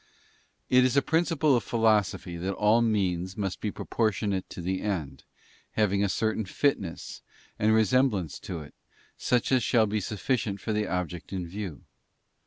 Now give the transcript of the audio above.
It is a principle of philosophy that all means must be proportionate to the end, having a certain fitness, and resem blance to it, such as shall be sufficient for the object in view.